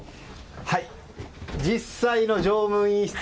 実際の乗務員室！